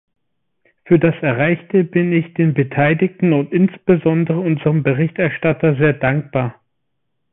Für das Erreichte bin ich den Beteiligten und insbesondere unserem Berichterstatter sehr dankbar.